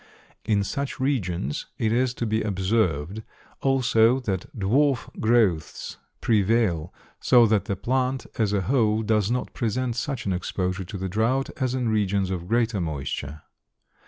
In such regions it is to be observed also that dwarf growths prevail, so that the plant, as a whole, does not present such an exposure to the drouth as in regions of greater moisture.